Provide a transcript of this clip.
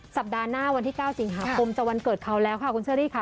สัปดาห์หน้าวันที่๙สิงหาคมจะวันเกิดเขาแล้วค่ะคุณเชอรี่ค่ะ